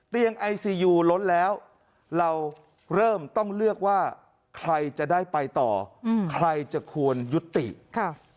ไอซียูล้นแล้วเราเริ่มต้องเลือกว่าใครจะได้ไปต่ออืมใครจะควรยุติค่ะ